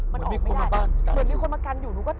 เหมือนมีคนมากันอยู่หนูก็